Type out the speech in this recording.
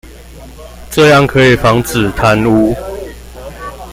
這樣可以防止貪污